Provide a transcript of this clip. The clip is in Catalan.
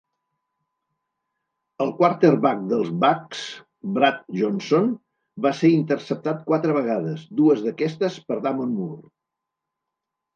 El quarterback dels Bucs, Brad Johnson, va ser interceptat quatre vegades, dues d'aquestes per Damon Moore.